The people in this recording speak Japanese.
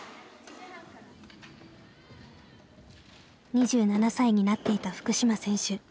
２７歳になっていた福島選手。